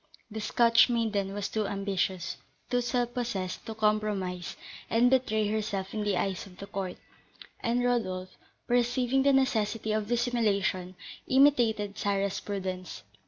The Scotch maiden was too ambitious, too self possessed, to compromise and betray herself in the eyes of the court; and Rodolph, perceiving the necessity of dissimulation, imitated Sarah's prudence.